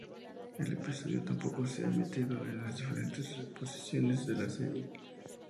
El episodio tampoco se ha emitido en las diferentes reposiciones de la serie.